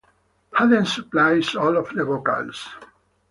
Haden supplies all of the vocals.